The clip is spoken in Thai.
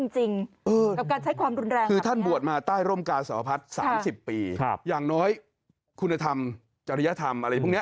จริยธรรมอะไรพวกนี้